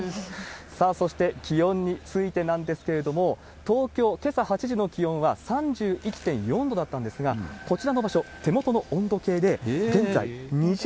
さあ、そして気温についてなんですけれども、東京、けさ８時の気温は３１．４度だったんですが、こちらの場所、手元の温度計で現在２０．２度。